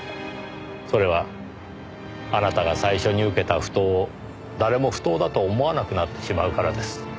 それはあなたが最初に受けた不当を誰も不当だと思わなくなってしまうからです。